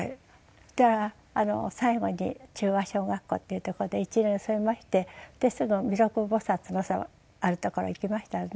そしたら最後に中和小学校っていうとこで１輪添えましてすぐ弥勒菩のある所行きましたらね。